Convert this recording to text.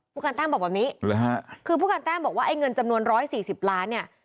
ผู้การแต้มบอกแบบนี้คือผู้การแต้มบอกว่าไอ้เงินจำนวน๑๔๐ล้านเนี่ย